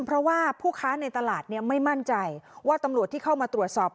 เพราะว่าผู้ค้าในตลาดเนี่ยไม่มั่นใจว่าตำรวจที่เข้ามาตรวจสอบ